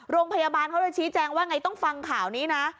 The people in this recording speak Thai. โรงพยาบาลเขาจะชี้แจงว่าไงต้องฟังข่าวนี้นะ